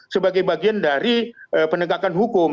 sebagai bagian dari penegakan hukum